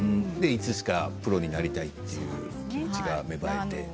いつしかプロになりたいという気持ちが芽生えて。